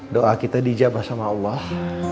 doa kita dijabah sama allah